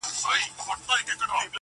o اوس هيڅ خبري مه كوی يارانو ليـونيانـو.